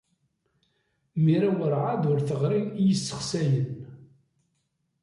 Mira werɛad ur teɣri i yisexsayen.